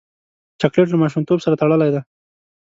چاکلېټ له ماشومتوب سره تړلی دی.